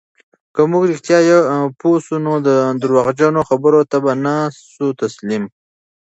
که موږ رښتیا پوه سو، نو درواغجنو خبرو ته به نه سو تسلیم.